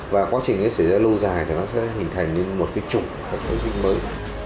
và quá trình nó xảy ra lâu dài thì nó sẽ hình thành như một cái trụ kháng sinh mới